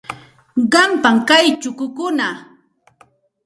Qampam kay chukukuna.